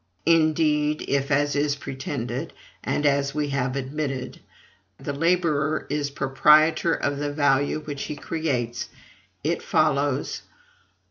Indeed, if, as is pretended, and as we have admitted, the laborer is proprietor of the value which he creates, it follows: 1.